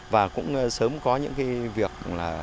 và cũng sớm có những cái việc